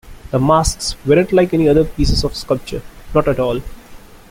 The masks weren't like any other pieces of sculpture, not at all.